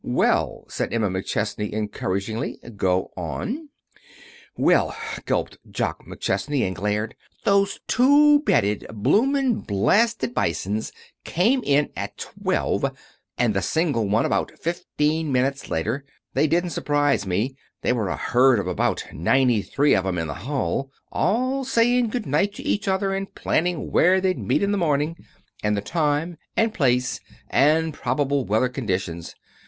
"Well," said Emma McChesney, encouragingly, "go on." [Illustration: "'Well!' gulped Jock, 'those two double bedded, bloomin' blasted Bisons '"] "Well!" gulped Jock McChesney, and glared; "those two double bedded, bloomin', blasted Bisons came in at twelve, and the single one about fifteen minutes later. They didn't surprise me. There was a herd of about ninety three of 'em in the hall, all saying good night to each other, and planning where they'd meet in the morning, and the time, and place and probable weather conditions.